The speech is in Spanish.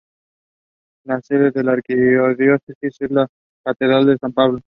La sede de la Arquidiócesis es la Catedral de San Pablo.